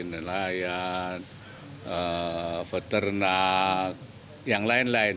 nelayan peternak yang lain lain